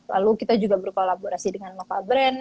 lalu kita juga berkolaborasi dengan mova brand